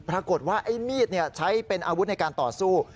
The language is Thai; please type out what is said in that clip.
ปรากฏว่าไอ้มีดใช้เป็นอาวุธในการต่อสู้